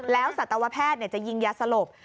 แล้วสัตวแพทย์จะยิงยาสลบ